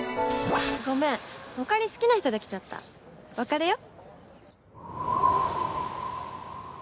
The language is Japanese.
ごめんほかに好きな人できちゃった別れよ？